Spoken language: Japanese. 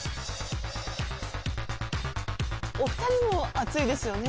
お二人も暑いですよね。